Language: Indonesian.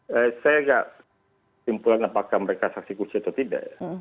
saya enggak simpulan apakah mereka saksi kunci atau tidak